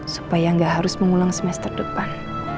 supaya nggak harus mengulang semester depan